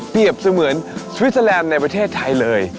เสมือนสวิสเตอร์แลนด์ในประเทศไทยเลย